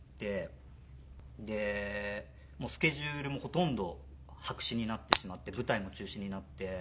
でもうスケジュールもほとんど白紙になってしまって舞台も中止になって。